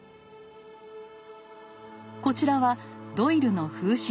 こちらはドイルの風刺画。